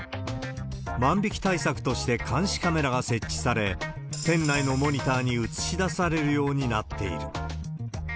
万引き対策として監視カメラが設置され、店内のモニターに映し出されるようになっている。